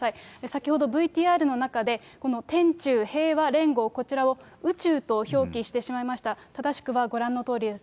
先ほどＶＴＲの中で、この天宙平和連合、こちらを宇宙と表記してしまいました、正しくはご覧のとおりです。